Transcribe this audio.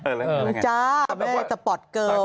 เอออะไรจ๊ะแบบว่าสปอร์ตเกิร์ล